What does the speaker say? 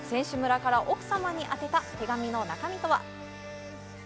選手村から奥様に宛た手紙の中身とは。